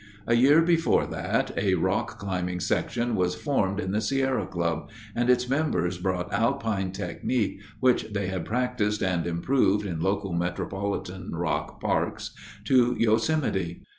A year before that a Rock Climbing Section was formed in the Sierra Club, and its members brought Alpine technique, which they had practiced and improved in local metropolitan rock parks, to Yosemite.